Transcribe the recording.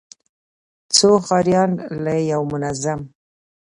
څو ښاريان له يو منظم،